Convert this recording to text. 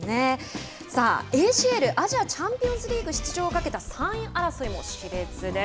さあ、ＡＣＬ＝アジアチャンピオンズリーグ出場を懸けた３位争いもしれつです。